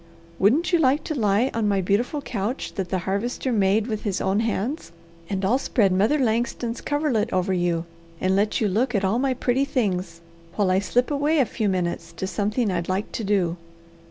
"Wouldn't you like to lie on my beautiful couch that the Harvester made with his own hands, and I'll spread Mother Langston's coverlet over you and let you look at all my pretty things while I slip away a few minutes to something I'd like to do?"